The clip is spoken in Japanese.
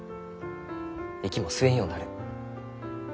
息も吸えんようになる。